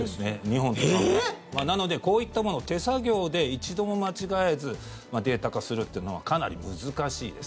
なので、こういったもの手作業で、一度も間違えずデータ化するというのはかなり難しいです。